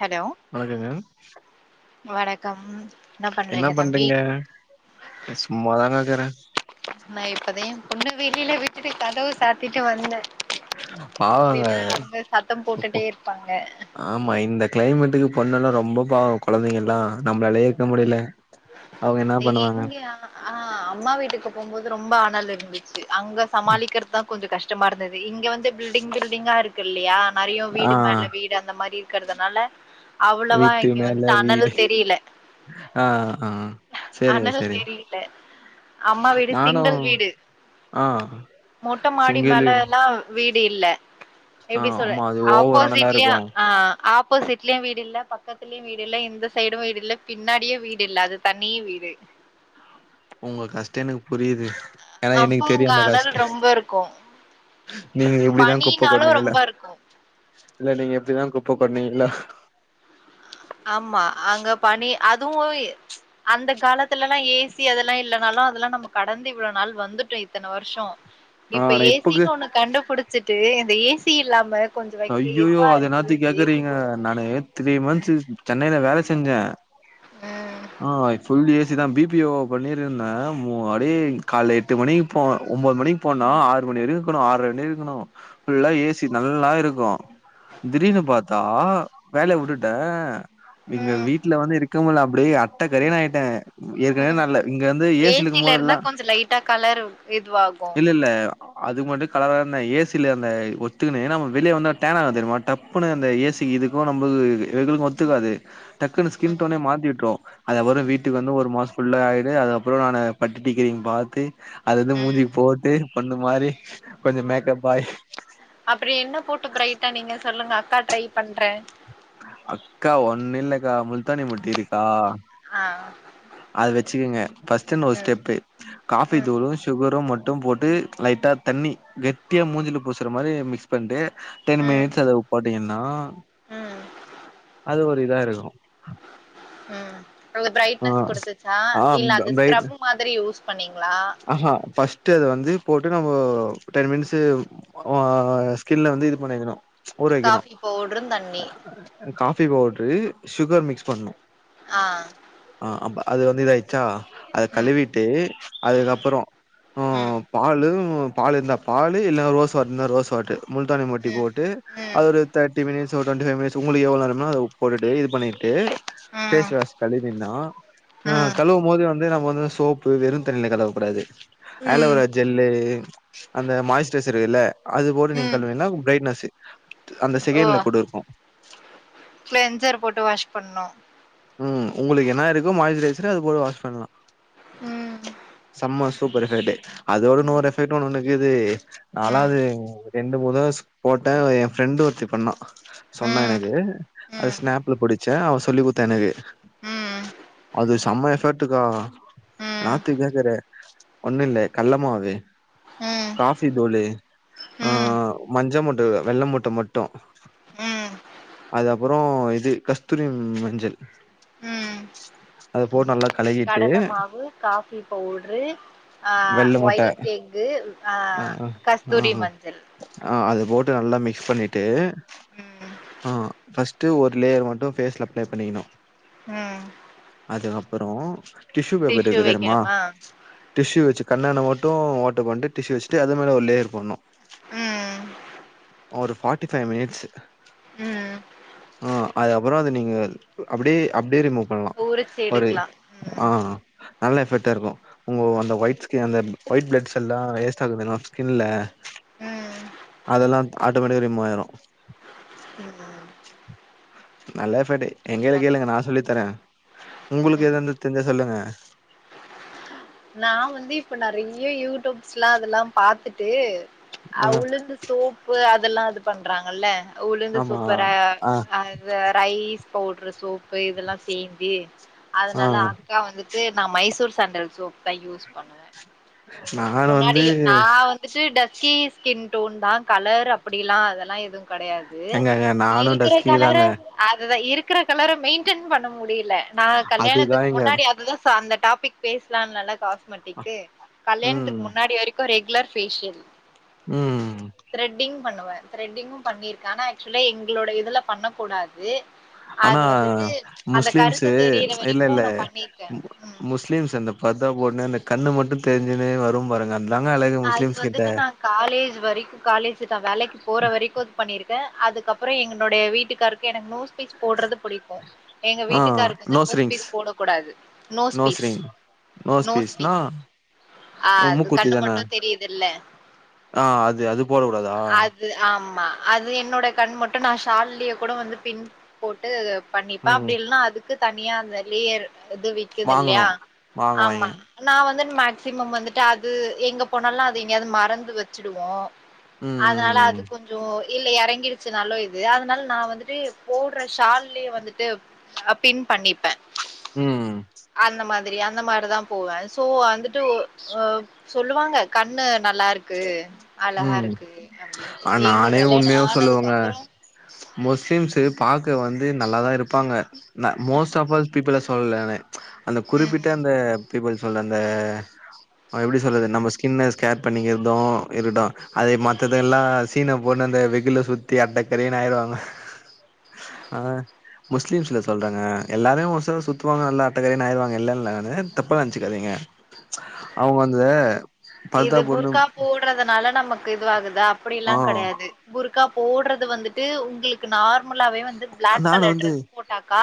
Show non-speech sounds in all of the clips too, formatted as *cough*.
Hello வணக்கங்க வணக்கம் என்ன பண்றீங்க சும்மாதாங்க இருக்கறே நா இப்பதே பொண்ண வெளில விட்டுட்டு கதவ சாத்திட்டு வந்தே பாவங்க அப்டின்னா அவங்க சத்தம் போட்டுட்டே இருப்பாங்க ஆமா இந்த கிளைமேட்டுக்கு பொண்ணல்லா ரொம்ப பாவோ கொழந்தைங்கலா நம்மலாலயே இருக்க முடியல அவங்க என்ன பண்ணுவாங்க இங்கயா ஆ அம்மா வீட்டுக்கு போம்போது ரொம்ப அனலு இருந்துச் சி அங்க சமாளிக்கிறதுதா கொஞ்சோ கஷ்டமா இருந்தது இங்க வந்து பில்டிங் பில்டிங்கா இருக்கு இல்லையா நெறைய ஆ வீடு மேல வீடு அந்த மாரி இருக்கறதுனால அவ்வளவா வீட்டு இங்க மேல வந்துட்டு அனல் வீடு தெரியல ஆ ஆ சேரிங்க அனல் சேரி தெரியில அம்மா வீடு நானு சிங்கிள் வீடு ஆ மொட்ட மாடி சிங்கிள் வீடு மேலல்லா வீடு இல்ல ஆ எப்டி சொல்ல ஆமா அது ஓவர் அனலா ஆப்போசிட்லயு இருக்கு ஆ ஆப் போசிட்லயு வீடு இல்ல பக்கத்துலயு வீடு இல்ல இந்த சைடு வீடு இல்ல பின்னாடியு வீடு இல்ல அத தனி வீடு உங்க கஷ்டோ எனக்கு புரியுது ஏனா அப்போ எனக்கு அங்க தெரியு அந்த அனல் கஷ்ட ரொம்ப இருக்கு நீங்க எப்டிதா குப்ப பனினாலு கொட்னீங்களோ ரொம்ப இருக்கு இல்ல நீங்க எப்டிதா குப்ப கொட்னீங்களோ ஆமா அங்க பனி அதுவு அந்த காலத்துலலா ஏசி அதெல்லா இல்லனாலு அதெல்லா நம்ம கடந்து இவ்ளோ நாள் வந்துட்டோ இத்தன வருஷோ ஆ இப்ப ஆனா ஏ இப்பக்கு சின்னு ஒண்ணு கண்டுபிடிச்சிட்டு இந்த ஏ சி இல்லாம கொஞ்சோ வைக்க அய்யய்யோ எதுவா அத இருக்குது என்னாத்துக் இந்த ஏசி கேக்குறீங்க போடுங்க நானு த்ரீ மந்த்ஸ் சென்னைல வேல செஞ்சே‌ ம் ஆ ‌ ஃபுல் ஏ சி தா பி பி ஓ பண்ணிருந்தே மோ அப்டியே காலேல எட்டு மணிக்கு போவே ஒன்பது மணி போனா ஆறு மணி வரைக்கு இருக்கணு ஆர்ற வரயு இருக்கணு ஃபுல்லா ஏசி நல்லா இருக் கு திடீர்னு பாத்தா வேலய வுட்டுட இங்க ம் வீட்ல வந்து இருக்க முல்ல அப்டியே அட்டக்கரேன் ஆய்ட்டே ம் ஏற்கனவே ம் நல்ல இங்க வந்து ஏசில இருக்கும் இருந்தா போதெல்லா கொஞ்சோ லைட்டா கலர் இதுவாகு இல்ல இல்ல அதுக்கு மட்டு கலராருந்த ஏசில இருந்த ஒத்துக்கினு நாம வெளிய வந்தா டேன் ஆகு தெரிமா டப்புனு அந்த ஏசி இதுக்கு நம்மளுக்கு எங்களுக்கு ஒத்துக்காது டக்குனு ஸ்கின் டோனே மாத்திவிட்ரு அது அப்புற வீட்டுக்கு வந்து ஒரு மாச ஃபுல்லா ஆயிடு அதுக்கப்புற நானு பட்டி டிங்கரிங் பாத்து அதிது ம் மூஞ்சிக்கு போட்டு பொண்ணு மாரி கொஞ்ச மேக்கப் ஆயி அப்படி என்ன போட்டு ப்ரைட்டானிங்க சொல்லுங்க அக்கா ட்ரை பண்றே அக்கா ஒண்ணு இல்லக்கா முல்தானி மொட்டி இருக்கா அ அ அத வெச்சுக்குங்க ஃபஸ்ட்டு இந்த ஒரு ஸ்டெப்பு காஃபி ம் தூளு சுகரு மட் டு போட்டு லைட்டா தண்ணி கெட்டியா மூஞ்சில பூசுற மாரி மிக்ஸ் பண்ட்டு டென் ம் மினிட்ஸ் அத போட்டீங்கன்னா ம் அது ஒரு இதா இருக்கு ம் ஒர் ஆ ப்ரைட்னஸ் குடுத்துச்சா ஆ இல்ல அது பிரைட் ஸ்கரப் மாதிரி யூஸ் பண்ணீங்களா ஆஹா ஃபஸ்ட்டு அது வந்து போட்டு நம்ம ஒ டென் மினிட்ஸு ஆஆ ஸ்கின்ல வந்து இது பண்ணிக்கணு ஊற வெக்கணு காஃபி பவுட்ரு தண்ணி காஃபி பவுட்ரு சுகர் மிக்ஸ் பண்ணு ஆ ஆ அப் அது வந்து இதாய்ச்சா அத ம் கழுவிட்டு ம் அதுக்கப்புறோ ம் பாலு பால் இருந்தா பாலு இல்ல ரோஸ் வாட் இந்தா ரோஸ் வாட்ரு முல்தானி மொட்டி போட்டு ம் அது ஒரு தேட்டி மினிட் ஸு ஒரு ட்வென்டி ஃபை மினிட்ஸ் உங்களுக்கு எவ்ள் நேரமோ அத போட்டுட்டு இது பண்ணிட்டு ம் பேஸ் வாஷ் கழுவின்னோ ஆ ம் கழுவுமோது வந்து நம்ம வந்து சோப்பு வெறு தண்ணில கழுவ கூடாது ம் ஆலோவேரா ஜெல்லு அந்த மாய்ஸ்ட்ரைசர் இல்ல அது போட்டு நீங்க ம் கழுவீன்னா த ப்ரரைட்னஸ்ஸு அந்த செகண்ல குட்டுக்க க்லென்சரு போட்டு வாஷ் பண்ணு ம் உங்களுக்கு என்னா இருக்கு மாய்ஸ்ச்சுரைசரு அது போட்டு வாஷ் பண்லா ம் சம்ம சூப்பர் எஃபேட்டு அதோட ம் இன்னோரு எபெக்ட்டொன் ஒன்னுகீது நாலா ம் அது ரெண்டு மூணு வாசி போட்டே எ ஃப்ரெண்டு ஒர்த்தி பண்ணா சொன்னா ம் எனக்கு ம் அது ம் ஸ்னாப்ல புடிச்சே அவ சொல்லி குத்தா எனக்கு ம் அது சம்ம எஃபெட்டுக்கா நாத்துக்கேக்கற ஒண்ணு இல்ல கல்லமாவு ம் காஃபி தூளு ஆ ம் மஞ்ச முட்ட இல்ல வெள்ள முட்ட மட்டு ம் அது அப்பறோ இது கஸ்தூரி மஞ்சள் ம் அது போட் நல்லா கலகி கடல மாவு காஃபி பவுட்ரு ஆ வெள்ள முட்ட ஒயிட் எக்கு ஆ ஆ கஸ்தூரி மஞ்சள் ஆ அது போட்டு நல்லா மிக்ஸ் பண்ணிட்டு ம் ஆ ஃபஸ்ட்டு ஒரு லேயர் மட்டு ஃபேஸ்ல அப்ளை பண்ணிக்கணு ம் அதுக்கப்பறோ டிஷு பேப்பர் டிஷ்யூ இருக்கு தெர்மா வைக்கணுமா டிஷு வச்சு கண்ணான ஓட்டு ஓட்ட கொண்டு டிஷு வச்சுட்டு அது மேல ஒரு லேயர் பண்ணோ ம் ஒரு ஃபாட்டி ஃபைவ் மினிட்ஸ் ம் அ அதுக்கப்றோ அது நீங்கள் அப்டி அப்டியே ரிமூப் பண்ணலா உரிச்சு ஒரு எடுக்கலா ஆ ம் நல்ல எஃபெக்டா இருக்கு உங்க அந்த ஒயிட் ஸ்கின் அந்த ஒயிட் ப்ளட்ஸெல்லா வேஸ்ட் ஆகுதுனா ஸ்கின்ல ம் அதெல்லா ஆட்டோமேட்டிக்கா ரிமூவ் ஆயிரு *inaudible* நல்ல எபட்டு ட்ரை எங்கள பண்லா கேளுங்க நா சொல்லி தரே உங்களுக்கு ம் எதாந்து தெர்ஞ்சா சொல்லுங்க நா வந்து இப்ப நெறைய யூடியூப்ஸ்லா அதல்லா பாத்துட்டு அ ஆ உளுந்து சோப்பு அதெல்லா இது பண்றாங்கல்ல உளுந்து ஆமா சூப்பரா ஆ அது ரைஸ் பவுட்ரு சோப்பு இதல்லா சேன்தி அது ஆ நல்லா யா வந்துட்டு நா மைசூர் சாண்டல் சோப் தா யூஸ் பண்ணுவே நா முன்னாடி நா வந்துட்டு டஸ்கி ஸ்கின் டோன்தா கலரு அப்புடில்லா அதெல்லா எதுவு கெடையாது எங்கங்க நானு இருக்குற டஸ்கி கலர தாங்க அதுதா இருக்குற கலர மெயின்டென் பண்ண முடியில நா அதுதா கல்யாணத்துக்கு எங்க முன்னாடி அதுதா சா அந்த டாபிக் பேசலான் நல்லா காஸ்மெட்டிக்கு கல்யாணத் ம் முன்னாடி வரைக்கு ரெகுலர் பேஷியல் ம் த்ரெட்டிங் பண்ணுவே த்ரெட்டிங்கு பண்ணிருக்கே ஆனா ஆக்சுவலா எங்களோட இதுல பண்ணக்கூடாது ஆனா முஸ்லிம்ஸு கருத்து தெரியிற இல்ல வரைக்கு இல்ல நா பண்ணிருக்கே ம் முஸ்லிம்ஸு அந்த பர்தா போட்னு அந்த கண்ணு மட்டு தெரிஞ்சுன்னே வரு பாருங்க அதுதாங்க அழகு அது முஸ்லீம்ஸ் கிட்ட வந்துட்டு நா காலேஜ் வரைக்கு காலேஜ்தா வேலைக்கு போற வரைக்கு இது பண்ணிருக்கே அதுக்கப்பறோ எங்கனுடைய வீட்டுக்காருக் எனக் நோஸ் பீஜ் போட்றது புடிக்கு எங்க ஆ வீட்டுக்காருக்கு வந்து நோஸ்ரிங்ஸ் நோஸ்பீஸ் போடக் கூடாது nose ring nose nose piece ring nose பீஸ்னா ஆ அது மூக்குத்தி கண்ணு தான மட்டு தெரியுதுல்ல ஆ அது அது போடக் கூடாதா அது து ஆமா அது என்னோட கண் மட்டு நா ஷால்லியே கூட வந்து பின் போட்டு பண்ணிப்பே ம் அப்டி இல்னா அதுக்கு தனியா அந்த லேயர் இது வி க்குது இல்லையா வாங்கணு ஆமா வாங்குவாய்ங்க நா வந்துட் மேக்சிமம் வந்துட்டு அது எங்க போனாலுல்லா அது எங்கேயாது மறந்து வச்சுடுவோ ம் அதுனால அது கொஞ்சோ இல்ல எறங்கிருச்சு நல்லோ இது அதுனால நா வந்துட்டு போட்ற ஷால்லையே வந்துட்டு அ பின் பண்ணிப்பே ம் அந்த மாதிரி அந்த மாரிதா போவே சோ வந்துட்டு ஒ அ சொல்லுவாங்க கண்ணு நல்லாருக் இருக்கு அழகா ம் இருக்கு அப்டின்னுட்டு ஆ எங்க நானே கல்யாணோ உண்மையா ஆனதுக்கு சொல்லுவங்க அப்பறோ முஸ்லிம்ஸு பாக்க வந்து நல்லாதா இருப்பாங்க நா மோஸ்ட் ஆஃப் ஆல் பீப்புள சொல்லல நானு அந்த குறிப்பிட்ட ம் அந்தப் பீபுள் சொல்ற அந்த அ எப்புடி சொல்றது நம்ம ஸ்கின ஸ்கேர் பண்ணி எதும் தோ இருக்கட்டு அது மத்த இதெல்லா சீன போட்னு அந்த வெகுல்ல சுத்தி அட்டக்கறேன்னு ஆயிடுவாங்க அதா அ முஸ்லிம்ஸ்ல சொல்றங்க எல்லாரு ஒரு சிலர் சுத்துவாங்க நல்லா அட்டகரேணு ஆயிருவாங்க இல்லனுல நானு தப்பா நெனச்சுக்காதீங்க அவங்க வந்து பர்தா இது போனு புர்கா போடுறதுனால நமக்கு இதுவாகுதுா அப்டி ஆ எல்லா கெடையாது புர்கா போடுறது வந்துட்டு உங்ளுக் கு நார்மலாவே வந்து பிளாக் நானு கலர் வந்து டிரஸ் போட்டாக்கா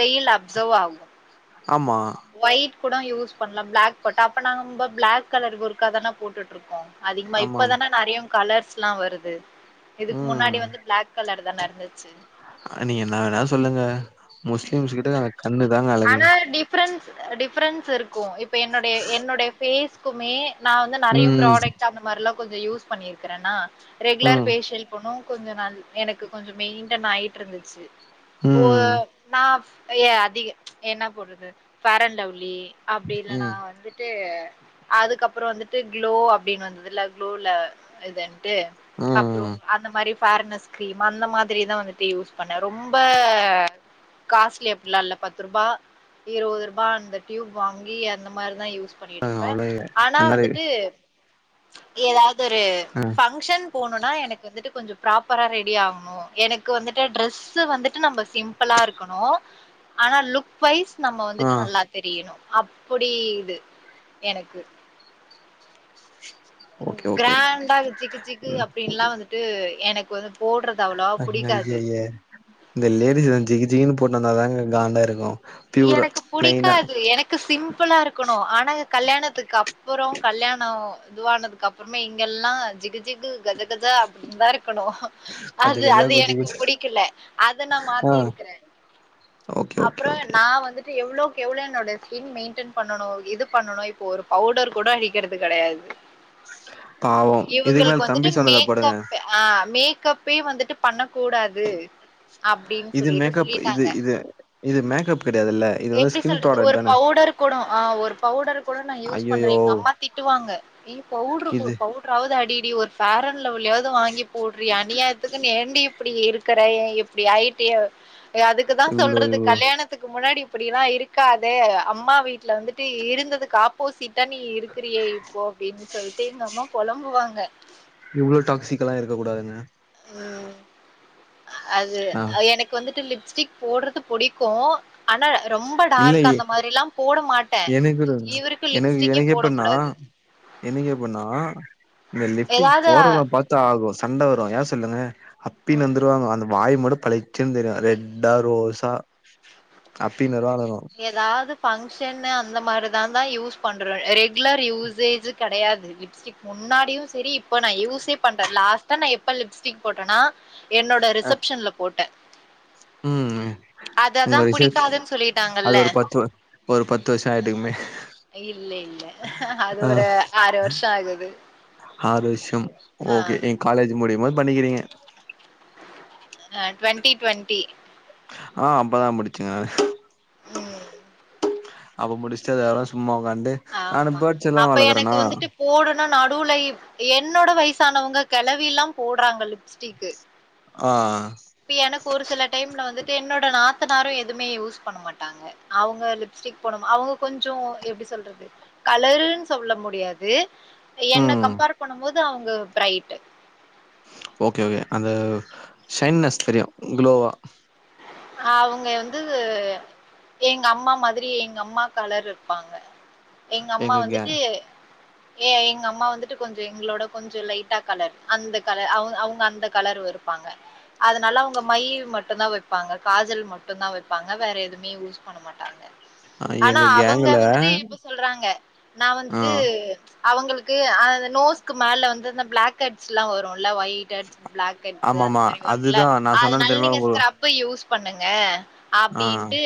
வெயில் அப்சர்வ் ஆகு ஆமா ஒயிட் கூட யூஸ் பண்ணலா பிளாக் போட்டா அப்ப நாங்க ரொம்ப பிளாக் கலர் புர்க்காதான போட்டுட்டுருக்கோ அதிகமா ஆமா ஆமா இப்பதானா நெறைய கலர்ஸ்ல்லா வருது இதுக்கு ம் முன்னாடி வந்து பிளாக் கலர் தான இருந்து ச்சு நீங்க என்ன வேணா சொல்லுங்க முஸ்லிம்ஸ் கிட்ட கண்ணுதாங்க ஆனா டிஃப்ரென்ஸ் டிஃப்ரென்ஸ் இருக்கு இப்ப என்னுடைய என்னுடைய ஃபேஸ் க்குமே நா வந்து நெறைய ம் ப்ராடக்ட் அந்த மாரில்லா கொஞ்சோ யூஸ் பண்ணிருக்றன்னா ரெகுலர் ம் ஃபேஷியல் போனு கொஞ்ச நல் எனக்கு கொஞ்சம் மெயின்டென் ஆயிட்டுருந்துச்சு ஓ ம் நா ஏ அதிக என்ன போடுறது ஃபேரன்லவ்லி அப்டி இல்லனா ம் வந்து ட்டு அதுக்கப்பறோ வந்துட்டு குளோ அப்டின்னு வந்துதுல குளோல இதென் ட்டு அப்றோம் ம் அந்த மாரி ஃபேர்னஸ் கிரீம் அந்த மாதிரிதா வந்துட்டு யூஸ் பண்ணே ரொம்ப காஸ்ட்லி அப்டிலா இல்ல பத்து ரூபா இருவது ரூபா அந்த டியூப் வாங்கி அந்த மாரிதா யூஸ் ஆ பண்ணிட்டுருப்பே அவ்ளோ ஆனா என்னது வந்துட்டு எதாவ்து ஒரு அ ஃபங்க்ஷன் போணுன்னா எனக்கு வந்துட்டு கொஞ்சொ ப்ராப்பரா ரெடி ஆகனு எனக்கு வந்துட்டு ட்ரஸ் வந்துட்டு நம்ப சிம்பிளா இருக்கணு ஆனா லுக் வைஸ் நம்ம ஆ வந்துட்டு நல்லா தெரியணு அப்டி இது எனக்கு ஓகே ஓகே கிராண்டா சிக்கு சிக்கு அப்டின்னுல்லா வந்துட்டு எனக்கு வந்து போட்ற து அவ்ளவா புடிக்காது ஐய்யய்ய இந்த லேடிஸ்தா ஜிகி ஜிகின்னு போட் வந்தாதாங்க காண்டா இருக்கு பியூரா எனக்கு பிளைனா புடிக்காது எனக் கு சிம்பிளா இருக்கணு ஆனா கல்யாணத்துக்கு அப்பறோ கல்யாணோ இதுவானதுக்கு அப் புறமே இங்க எல்லா ஜிகு ஜிகு கஜ கஜா அப்டின்னுதா இருக்கணு கஜ அது கஜா அது குஜு எனக்கு குஜு புடிக்கல அத நா ஆ மாத்திருக்குறே ஓகே ஓகே ஓகே நா வந்துட்டு எவ்ளோக்கு எவ்ளோ என்னோட ஸ்கின் மெயின்டன் பண்ணணு இது பண்ணணு இப்ப ஒரு பவுடர் கூட அடிக் கிறது கெடையாது பாவம் இதுக்கு மேல இவங்களுக்கு தம்பி வந்துட்டு சொன்னத போடுங்க மேக்கப் ஆ மேக்கப்பே வந்துட்டு பண்ண கூடாது அப்டின்னு இது சொல்லிட்டு மேக்கப் இது சொல்லிட்டாங்க இது இது மேக்கப் கெடையாதுல்ல இது வந்து எப்டி ஸ்கின் சொல்றது ப்ராடக்ட் ஒரு தான பவுடர் கூட ஆ ஒரு பவுடர் கூட நா யூஸ் பண்றே ஐய்யய்யோ எங்க அம்மா திட்டுவாங்க ஏய் பவுட்ரு கு இது பவுட்ரு ராவுது அடி டீ ஒரு ஃபேரன்லவ்லியாவது வாங்கி போட்ரீ அநியாயத்துக்குனு ஏன்டி இப்டி இருக்கற ஏ இப்டி ஆயிட்டியே எ அதுக்குதா இவ்ளோ சொல்றது கல்யாணத் துக்கு முன்னாடி இப்படில்லா இருக்காதே அம்மா வீட்ல வந்துட்டு இருந்ததுக் காப் போசிட்டா நீ இருக்கிறியே இப்போ அப்டின்னு சொல்ட்டு எங்க அம்மா பொலம்புவாங்க இவ்ளோ டாக்சிக்கால்லா இருக்க கூடாதுங்க ம் அது ஆ எனக் கு வந்துட்டு லிப்ஸ்டிக் போட்றது புடிக்கு ஆனா ரொம்ப டார்க் அந்த மாரில்லா போட மாட் எனக்குடன் எனக் எனக்கு எப்பட்ன்னா கூடாது எனக்கு எப்பிட்ன்னா இந்த லிஃப்டிக் எதாவது போறவங்கல பாத் தா ஆகும் சண்ட வரும் ஏன் சொல்லுங்க அப்பின்னு ம் வந்துருவாங்க அந்த வாய் மட்டு பளீ ச்சின்னு தெரியும் ரெட்டா ரோஸா அப்பின்னுருவருவானுங்கோ ஏதாவ்து ஃபங்க்ஷன்னு அந்த மாரி தா தான் யூஸ் பண்ணுற ரெகுலர் யூசேஜ் கெடையாது லிஃப்ஸ்டிக் முன்னாடியும் சரி இப்ப நான யூஸே பண்றேன லாஸ்டா எப்ப லிஃப்ஸ்டிக் போட்டேனா என்னோட அ ரிசப்ஷன்ல போட்டன் ம் அததா உங்க ரிசர்ச் புடிக்காதுன்னு சொல்லிட் அது ஒரு பத்து ஒரு பத்து வருஷம் ஆயிட்டுக்குமே இல்ல இல்ல அது ஆ ஒரு ஆறு வருஷம் ஆகுது ஆறு வருஷம் ஆ ஓகே என் காலேஜ் முடியுபோது பண்ணிக்கிறீங்க அ டுவெண்டி டுவெண்டி ஆ அப்பதான் முடிச்சங்க ம் அப்ப முடிச்சுட்டு அதுக்கப்புறம் சும்மா உக்காந்து நானு பேட்ஸ்ல்லாம் வளர்க்கறேனா போடுணும் நடுவுல இப் என்னோட வயசானவங்க கிலவில்லாம் போடுறாங்க லிஃப்ஸ்டிக்கு ஆ இப்ப எனக்கு ஒரு சில டைம்ல வந்துட்டு என்னோட நாத்த நாரும் எதுவுமே யூஸ் பண்ண மாட்டாங்க அவங்க லிஃப்ஸ்டிக் போடமா அவங்க கொஞ்சம் எப்படி சொல்றது கலருன்னு சொல்ல முடியாது என்ன ம் கம்பேர் பண்ணும்போது அவங்க பிரைட் ஓகே ஓகே அந்த ஷைன்னஸ் தெரியும் குளோவா அவுங்க வந்து எங்க அம்மா மாதிரி எங்க அம்மா கலர் இருப்பாங்க எங்க அம்மா வந்துட்டு ஏ எங்க அம்மா வந்துட்டு கொஞ்சம் எங்களோட கொஞ்சம் லைட்டா கலர் அந்த கலர் அவுங் அவுங்க அந்த கலர்வு இருப்பாங்க அதனால உங்க மை மட்டும் தான் வை வைப்பாங்க காஜல் மட்டும தான் வைப்பாங்க வேற எதுவுமே யூஸ் பண்ண மாட்டாங்க அ ஆனா எங்க அவங்க கேங்குல வந்துட்டு இப்ப சொல்றாங்க நான் ஆ வந்துட்டு அவங்களுக்கு அந்த நோஸ்க்கு மேல வந்து அந்த பிளாக் ஹெட்ஸ் எல்லாம் வரும்ல்ல வொய் ஹெட்ஸ் பிளாக் ஹெட்ஸு அந்த ஆமாமா மாரி வரும்ல அதுதா நா சொன்னேல அதனால தெரியுமா நீங்க உங்க ஸ்கரப் ப யூஸ் பண்ணுங்க ஆ அப்படின்ட்டு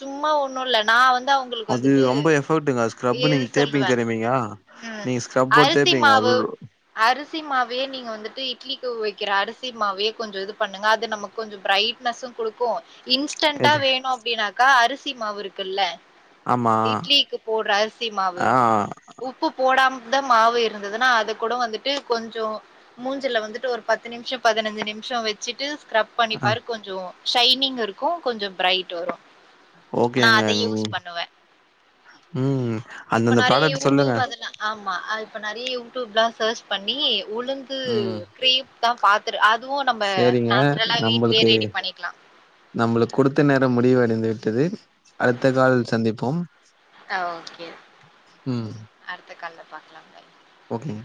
சும்மா ஒண்ணும் இல்ல நா வந்து அவங்க ங்ளுக்கு அது வந்துட்டு ரொம்ப எஃபர்ட்டுங்க ஸ்க்ரப் இது நீங்க தேப்பீங்க சொல்லுவே தெரியுமீங்க ம் நீங்க ஸ்க்ரப் போட்டு அரிசி தேப்பீங்க மாவு அரிசி மாவையே நீங்க வந்துட்டு இட்லிக்கு வைக்கிற அரிசி மாவையே கொஞ்சம் இது பண்ணுங்க அது நமக்கு கொஞ்சம் ப்ரைட் னஸ்ஸு கொடுக்கும் இன்ஸ்டன்ட எது வேணும் அப்படின்னாக்கா அரிசி மாவு இருக்குல ஆமா இட்லிக்கு போடுற அரிசி மாவு ஆ உப் பு போடாமத மாவு இருந்ததுன்னா அது கூட வந்துட்டு கொஞ்சம் மூஞ்சுல வந்துட்டு ஒரு பத்து நிமிஷம் பதினஞ்சு நிமிஷம் வச்சுட்டு ஸ்கரப் ஆ பண்ணிப்பரு கொஞ்சம் ஷைனிங் இருக்கும் கொஞ்சம் ப்ரைட் வரும் நா ஓகேங்க அத யூஸ் ம் பண்ணுவேன் ம். இப்ப அந்தந்த நிறைய ப்ராடக்ட் சொல்லுங்க யூடியூப் அதலாம் ஆமா அத இப்ப நிறைய யூடியூப்லாம் சேர்ச் பண்ணி உளுந்து ம் கிரேப் தா பாத்துரு அதுவும் நம்ம நேச்சுரலா வீட் து நம்மளுக்கு கொடுத்த நேரம் முடிவு அடைந்து விட்டது அடுத்த கால் சந்திப்போம் ஓகே ம் அடுத்த கால பாக்கலாம்க ஓகேங்க